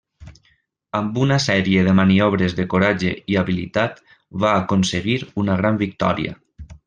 Amb una sèrie de maniobres de coratge i habilitat va aconseguir una gran victòria.